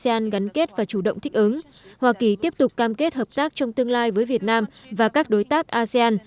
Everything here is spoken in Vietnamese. asean gắn kết và chủ động thích ứng hoa kỳ tiếp tục cam kết hợp tác trong tương lai với việt nam và các đối tác asean